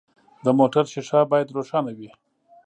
د موټر شیشه باید روښانه وي.